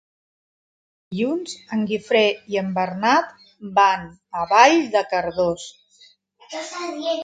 Dilluns en Guifré i en Bernat van a Vall de Cardós.